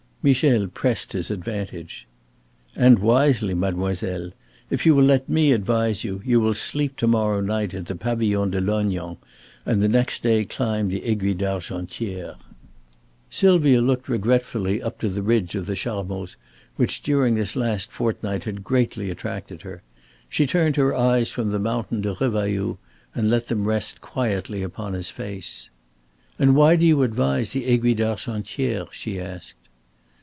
Michel pressed his advantage. "And wisely, mademoiselle. If you will let me advise you, you will sleep to morrow night at the Pavillon de Lognan and the next day climb the Aiguille d'Argentière." Sylvia looked regretfully up to the ridge of the Charmoz which during this last fortnight had greatly attracted her. She turned her eyes from the mountain to Revailloud and let them rest quietly upon his face. "And why do you advise the Aiguille d'Argentière?" she asked.